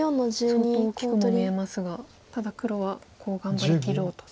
相当大きくも見えますがただ黒はコウを頑張りきろうと。